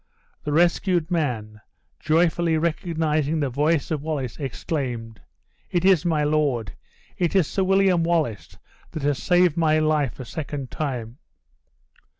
The rescued man, joyfully recognizing the voice of Wallace, exclaimed, "It is my lord! It is Sir William Wallace that has saved my life a second time!"